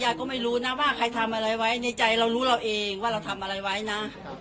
ก็ไม่รู้นะว่าใครทำอะไรไว้ในใจเรารู้เราเองว่าเราทำอะไรไว้นะ